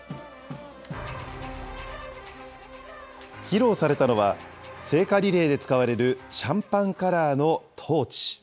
披露されたのは、聖火リレーで使われるシャンパンカラーのトーチ。